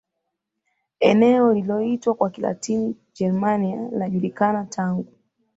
Eneo lililoitwa kwa kilatini Germania linajulikana tangu